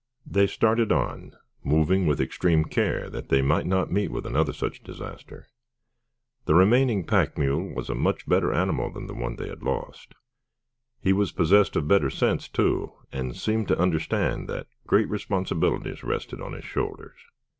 They started on, moving with extreme care that they might not meet with another such disaster. The remaining pack mule was a much better animal than the one they had lost. He was possessed of better sense, too, and seemed to understand that great responsibilities rested on his shoulders.